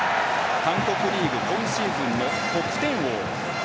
韓国リーグ今シーズンの得点王。